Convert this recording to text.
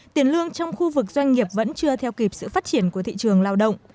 tiền lương trong khu vực doanh nghiệp vẫn chưa theo kịp sự phát triển của thị trường lao động